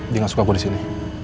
dia ga suka gue disini